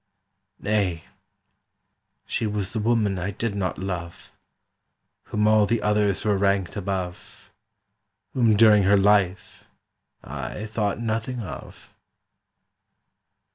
"Nay: she was the woman I did not love, Whom all the others were ranked above, Whom during her life I thought nothing of."